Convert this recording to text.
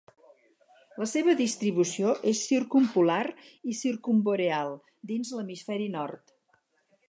La seva distribució és circumpolar i circumboreal dins l'Hemisferi Nord.